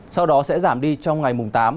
sau đó sẽ giảm đi trong ngày mùng tám